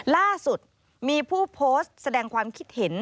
ล่าสุดมีผู้โพสต์แสดงความคิดเห็น